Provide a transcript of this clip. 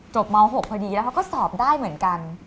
ม๖พอดีแล้วเขาก็สอบได้เหมือนกัน